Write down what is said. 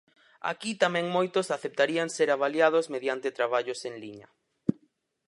Aquí, tamén moitos aceptarían ser avaliados mediante "traballos en liña".